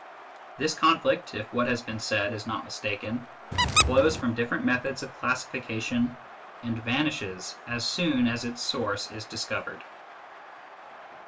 This con flict, if what has been said is not mistaken, flows from different methods of classification, and vanishes as soon as its source is discovered.